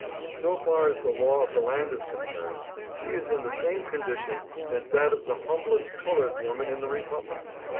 So far as the law of the land is con cerned, she is in the same condition as that of the humblest colored woman in the Republic.